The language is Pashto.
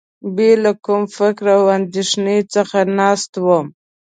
بې له کوم فکر او اندېښنې څخه ناست وم.